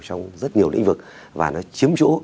trong rất nhiều lĩnh vực và nó chiếm chủ